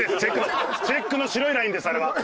チェックの白いラインですあれは。